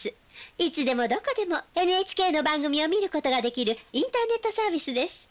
いつでもどこでもＮＨＫの番組を見ることができるインターネットサービスです。